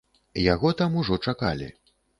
Яго там ужо чакалі.